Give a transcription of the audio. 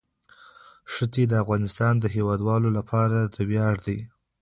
ښتې د افغانستان د هیوادوالو لپاره ویاړ دی.